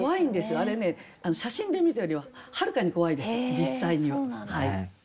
あれね写真で見てるよりははるかに怖いです